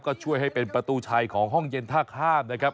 ก็ช่วยให้เป็นประตูชัยของห้องเย็นท่าข้ามนะครับ